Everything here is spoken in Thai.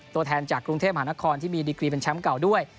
ตัวแทนจากกรุงเทพมหานครที่มีดีกรีเป็นแชมป์เก่าด้วย